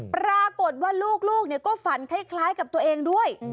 ปรากฏว่าลูกก็ฝันคล้ายกับตัวเองด้วย